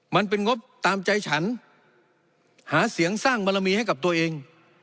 มันเป็นงบตามใจฉันหาเสียงสร้างบารมีให้กับตัวเอง